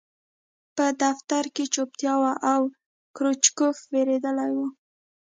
په دفتر کې چوپتیا وه او کروچکوف وېرېدلی و